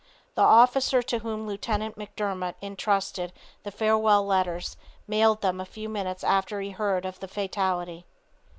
The officer to whom Lieutenant McDermott intrusted the farewell letters mailed them a few minutes after he heard of the fatality.